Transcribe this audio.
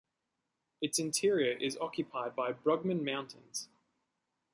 Its interior is occupied by Brugmann Mountains.